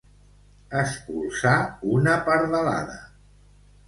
Espolsar una pardalada.